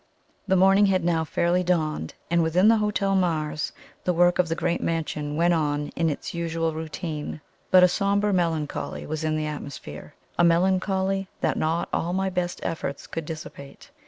The morning had now fairly dawned, and within the Hotel Mars the work of the great mansion went on in its usual routine; but a sombre melancholy was in the atmosphere a melancholy that not all my best efforts could dissipate.